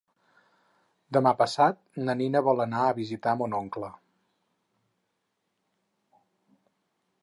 Demà passat na Nina vol anar a visitar mon oncle.